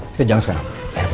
kita jalan sekarang